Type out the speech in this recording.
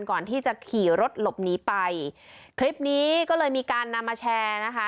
ก่อนที่จะขี่รถหลบหนีไปคลิปนี้ก็เลยมีการนำมาแชร์นะคะ